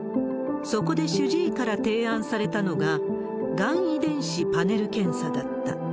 そこで主治医から提案されたのが、がん遺伝子パネル検査だった。